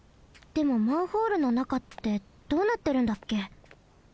でもマンホールの中ってどうなってるんだっけ？